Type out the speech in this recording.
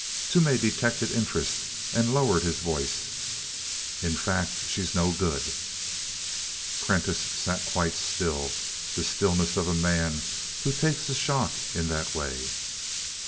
Toomey detected interest and lowered his voice. "In fact, she's no good." Prentiss sat quite still the stillness of a man who takes a shock in that way.